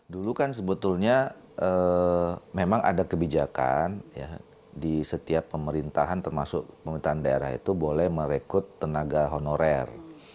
dulu kan sebetulnya memang ada kebijakan di setiap pemerintahan termasuk pemerintahan daerah itu boleh merekrut tenaga honorer